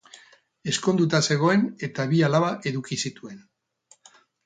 Ezkonduta zegoen eta bi alaba eduki zituen.